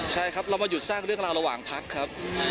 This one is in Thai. ใช่ครับเรามาหยุดสร้างเรื่องราวระหว่างพักครับ